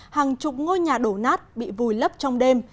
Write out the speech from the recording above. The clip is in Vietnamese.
hàng chục ngôi nhà đổ nát bị vùi lấp trong đêm